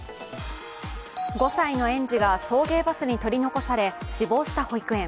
５歳の園児が送迎バスに取り残され、死亡した保育園。